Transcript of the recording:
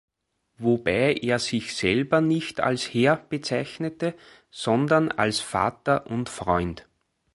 Wobei er sich selber nicht als Herr bezeichnete, sondern als "Vater und Freund".